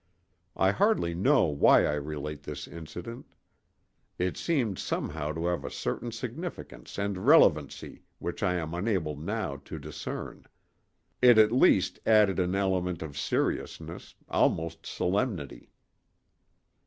I hardly know why I relate this incident; it seemed somehow to have a certain significance and relevancy which I am unable now to discern. It at least added an element of seriousness, almost solemnity.